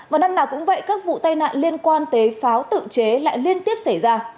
và năm nào cũng vậy các vụ tai nạn liên quan tới pháo tự chế lại liên tiếp xảy ra